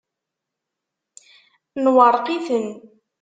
Nwerreq-iten.